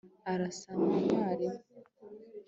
arasa na mwarimu